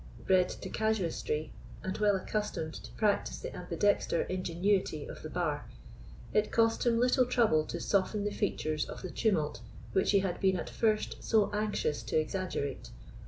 Bred to casuistry, and well accustomed to practise the ambidexter ingenuity of the bar, it cost him little trouble to soften the features of the tumult which he had been at first so anxious to exaggerate.